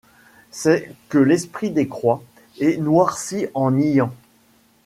C’est que l’esprit décroît et noircit en niant.